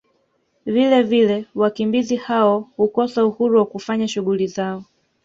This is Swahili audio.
Vilevile wakimbizi hao hukosa Uhuru wa kufanya shughuli zao